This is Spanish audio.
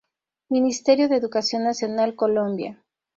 Ministerio de Educación Nacional. Colombia.